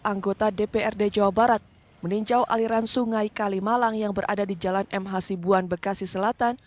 anggota dprd jawa barat meninjau aliran sungai kalimalang yang berada di jalan mh sibuan bekasi selatan